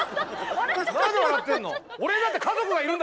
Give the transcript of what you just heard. なんで笑ってんの？